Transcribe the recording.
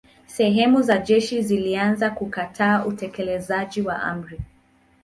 Sehemu za jeshi zilianza kukataa utekelezaji wa amri.